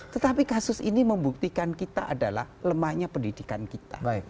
tetapi kasus ini membuktikan kita adalah lemahnya pendidikan kita